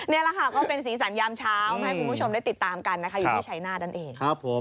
นี่แหละค่ะก็เป็นสีสันยามเช้ามาให้คุณผู้ชมได้ติดตามกันนะคะอยู่ที่ชัยนาธนั่นเอง